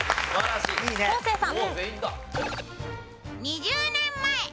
昴生さん。